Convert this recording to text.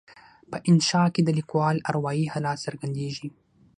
په انشأ کې د لیکوال اروایي حالت څرګندیږي.